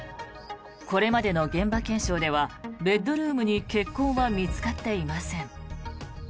これまでの現場検証ではベッドルームに血痕は見つかっていません。